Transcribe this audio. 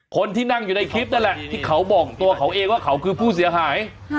คนที่นั่งอยู่ในคลิปนั่นแหละที่เขาบอกตัวเขาเองว่าเขาคือผู้เสียหาย